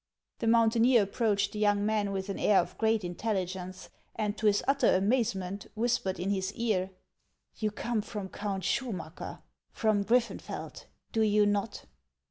The mountaineer approached the young man with an air of great intelligence, and to his utter amazement whis pered in his ear ;" You come from Count Schumacker, from Griffeufeld, do you not